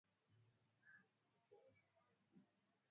Wapemba wana desturi ya mavazi changamano